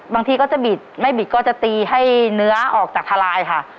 บางทีก็จะบิดไม่บิดก็จะตีให้เนื้อออกจากทลายค่ะ